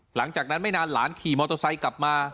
หลังจากนั้นไม่นานหลานขี่มอเตอร์ไซค์กลับมา